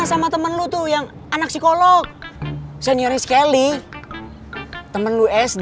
sama temen lo tuh yang anak psikolog senioris kelly temen lo sd